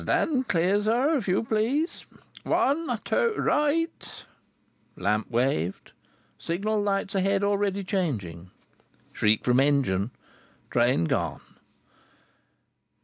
"Stand clear, sir, if you please. One. Two. Right!" Lamp waved. Signal lights ahead already changing. Shriek from engine. Train gone.